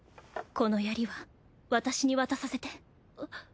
この槍は私に渡させて。